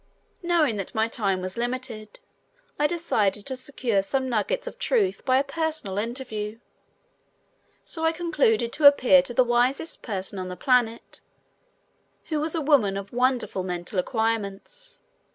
Knowing that my time was limited, I decided to secure some nuggets of truth by a personal interview; so I concluded to appear to the wisest person on the planet, who was a woman of wonderful mental acquirements.